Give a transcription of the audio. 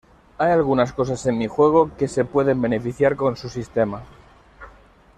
Hay algunas cosas en mi juego que se pueden beneficiar con su sistema".